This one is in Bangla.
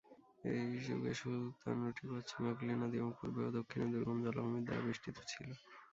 সেই যুগে সুতানুটি পশ্চিমে হুগলি নদী এবং পূর্বে ও দক্ষিণে দুর্গম জলাভূমির দ্বারা বেষ্টিত ছিল।